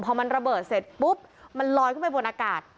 พอมันระเบิดเสร็จปุ๊บมันลอยขึ้นไปบนอากาศ